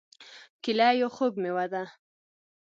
کېله یو خوږ مېوه ده.